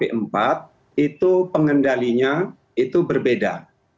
itu pengendalinya itu berbeda